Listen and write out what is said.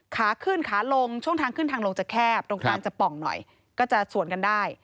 ขาขึ้นขาลงช่วงทางขึ้นทางลงจะแคบตรงกลางจะป่องหน่อยก็จะสวนกันได้